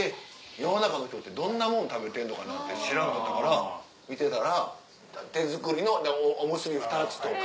世の中の人ってどんなもん食べてんのかなって知らなかったから見てたら手作りのおむすび２つとか。